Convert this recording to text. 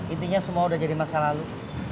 intinya semua udah jadi masa lalu